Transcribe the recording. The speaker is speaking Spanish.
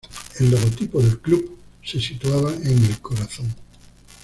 El logotipo del club se situaba en el corazón.